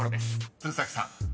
［鶴崎さん］